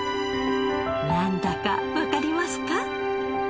なんだかわかりますか？